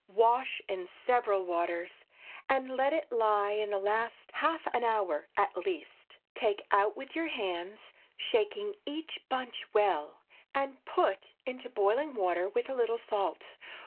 Wash in several waters, and let it lie in the last half an hour at least. Take out with your hands, shaking each bunch well, and put into boiling water, with a little salt.